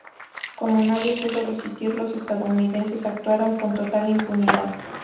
Como nadie pudo resistir, los estadounidenses actuaron con total impunidad.